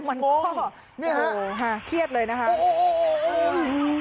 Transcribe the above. มันก็เครียดเลยนะครับ